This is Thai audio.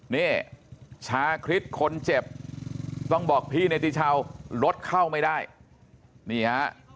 นี่ชาคริสคนเจ็บต้องบอกพี่เนติชาวรถเข้าไม่ได้นี่ฮะ